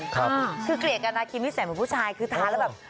ชูกรีดกันนะคริมที่แสนเหมือนผู้ชายคือทานและแบบ